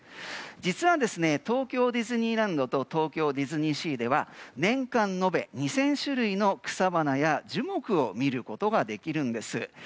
実は、東京ディズニーランドと東京ディズニーシーでは年間延べ２０００種類の草花や樹木を見ることができるんです。